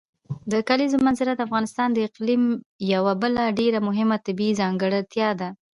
د کلیزو منظره د افغانستان د اقلیم یوه بله ډېره مهمه طبیعي ځانګړتیا ده.